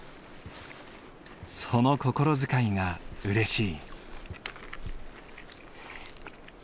その心遣いがうれしい。